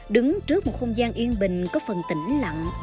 đứng trước một không gian yên bình có phần tỉnh lặng